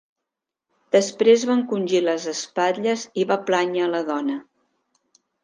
Després va encongir les espatlles i va plànyer la dona.